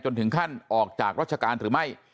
ถึงขั้นออกจากราชการหรือไม่